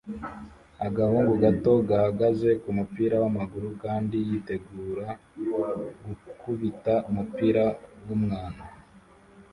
Agahungu gato gahagaze kumupira wamaguru kandi yitegura gukubita umupira wumwana